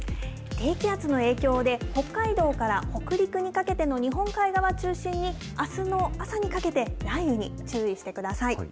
低気圧の影響で、北海道から北陸にかけての日本海側を中心に、あすの朝にかけて、雷雨に注意してください。